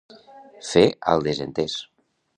Fer al desentès.